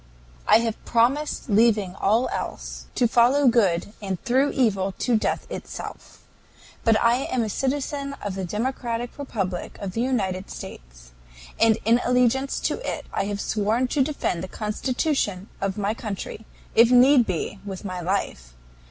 "I have promised leaving all else, to follow good and through evil, to death itself. But I am a citizen of the democratic republic of the United States; and in allegiance to it I have sworn to defend the Constitution of my country, if need be, with my life.